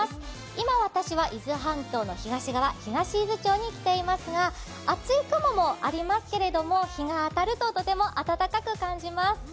今、私は伊豆半島の東側東伊豆町に来ていますが、厚い雲もありますけれども日が当たりますととても温かく感じます。